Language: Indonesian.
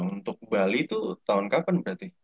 untuk bali itu tahun kapan berarti